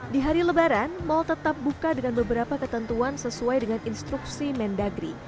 di hari lebaran mal tetap buka dengan beberapa ketentuan sesuai dengan instruksi mendagri